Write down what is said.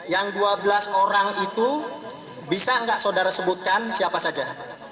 yang dua belas orang itu bisa nggak saudara sebutkan siapa saja